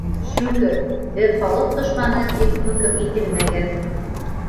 Шөкөр, беҙ халыҡ дошманы тип хөкөм ителмәгән!